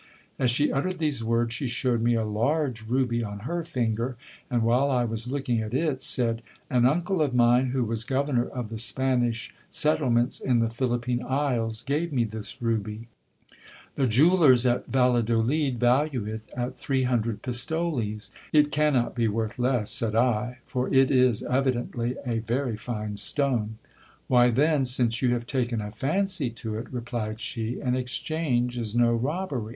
As she uttered these words, she showed' me a large ruby on her finger ; and, while I was looking at it, said — An uncle of mine, who was governor of the Spanish settlements in the Philippine isles, gave me this ruby. The jewellers at Valladolid value it at three hundred pistoles. It cannot be worth less, said I, for it is evidently a very fine stone. Why, then, since you have taken a fancy to it, replied she, an exchange is no robber)'.